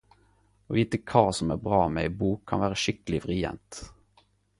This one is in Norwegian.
Å vite kva som er bra med ei bok kan vere skikkeleg vrient.